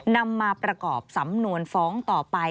นำมาประกอบสำนวนฟ้องต่อไป